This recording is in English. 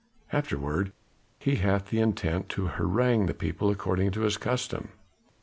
Afterward he hath the intent to harangue the people according to his custom."